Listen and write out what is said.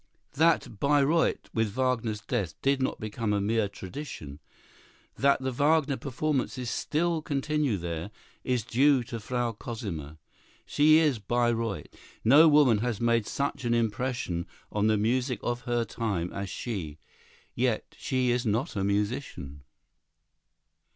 That Bayreuth with Wagner's death did not become a mere tradition, that the Wagner performances still continue there, is due to Frau Cosima. She is Bayreuth. No woman has made such an impression on the music of her time as she. Yet she is not a musician!